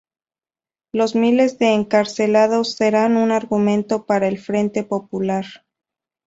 Los miles de encarcelados serán un argumento para el Frente Popular.